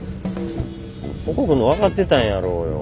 ここ来んの分かってたんやろよ。